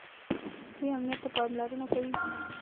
دوی امنیت ته پاملرنه کوي.